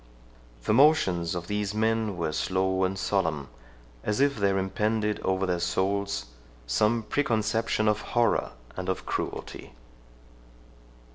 The motions of these men were slow and solemn, as if there impended over their souls some preconception of horror and of cruelty.